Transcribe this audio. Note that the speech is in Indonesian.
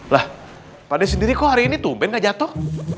lah pak de sendiri kok hari ini tuben gak jatuh